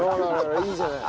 いいじゃない。